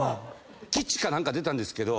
吉か何か出たんですけど。